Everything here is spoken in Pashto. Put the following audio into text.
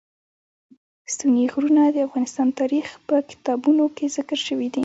ستوني غرونه د افغان تاریخ په کتابونو کې ذکر شوی دي.